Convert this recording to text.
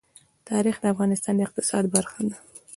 تاریخ د افغانستان د اقتصاد برخه ده.